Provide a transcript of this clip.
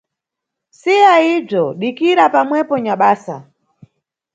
Siya ibzo dikira pamwepo nyabasa.